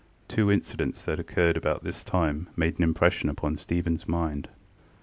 Two incidents that occurred about this time made an impression upon StephenŌĆÖs mind.